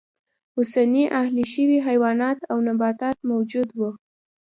اوسني اهلي شوي حیوانات او نباتات موجود و.